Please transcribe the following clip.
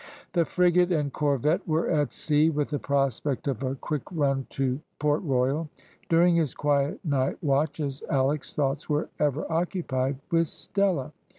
The frigate and corvette were at sea, with the prospect of a quick run to Port Royal. During his quiet night watches Alick's thoughts were ever occupied with Stella.